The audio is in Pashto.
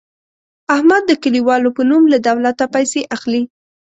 احمد د کلیوالو په نوم له دولته پیسې اخلي.